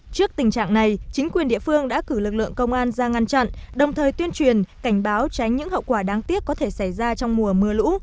trước tình trạng này chính quyền địa phương đã cử lực lượng công an ra ngăn chặn đồng thời tuyên truyền cảnh báo tránh những hậu quả đáng tiếc có thể xảy ra trong mùa mưa lũ